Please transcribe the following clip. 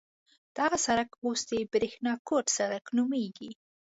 دغه سړک اوس د برېښنا کوټ سړک نومېږي.